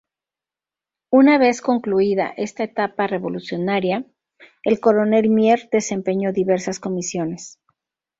Una vez concluida esta etapa revolucionaria, el coronel Mier desempeñó diversas comisiones.